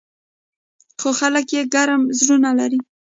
خو خلک یې ګرم زړونه لري.